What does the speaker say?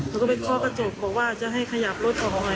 แล้วก็เป็นควกระจกบอกว่าจะให้ขยับรถออกหน่อย